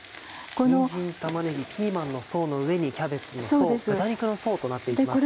にんじん玉ねぎピーマンの層の上にキャベツの層豚肉の層となっていきますね。